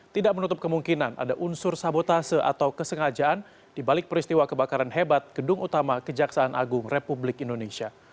tidak menutup kemungkinan ada unsur sabotase atau kesengajaan di balik peristiwa kebakaran hebat gedung utama kejaksaan agung republik indonesia